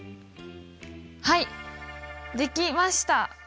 はいできました！